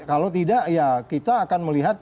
kalau tidak ya kita akan melihat